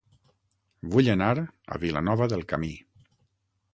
Vull anar a Vilanova del Camí